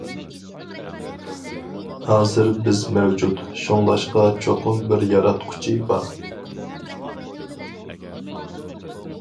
ھازىر بىز مەۋجۇت، شۇڭلاشقا چوقۇم بىر ياراتقۇچى بار.